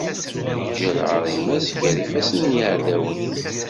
Iǧǧa lɛaḍima-s ger yifassen n yiɛdawen.